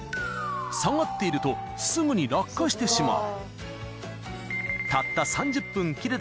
［下がっているとすぐに落下してしまう］